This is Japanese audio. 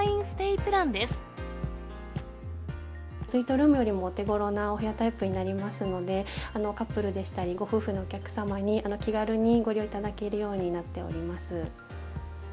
スイートルームよりもお手ごろなお部屋タイプになりますので、カップルでしたり、ご夫婦のお客様に気軽にご利用いただけるようになっております。